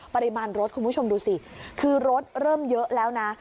ปริมาณรถคุณผู้ชมดูสิคือรถเริ่มเยอะแล้วนะ